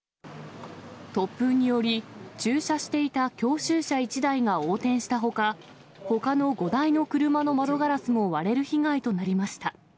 突風により、駐車していた教習車１台が横転したほか、ほかの５台の車の窓ガラスも割れる被害となりました。